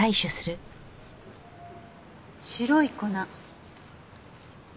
白い粉？